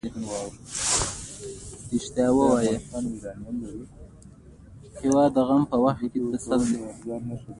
عدالت تأمین او درناوی موجود وي.